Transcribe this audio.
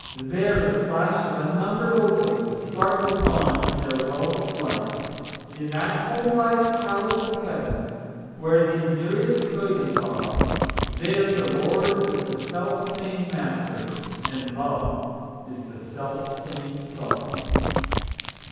There the flash of unnumbered opals Sparkles on in their wealth of light. In that home like palace of Heaven, Where these myriad trillions are, There the Lord is the self same Master, And Love is the self same star.